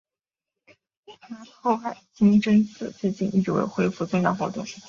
后海清真寺至今一直未恢复宗教活动。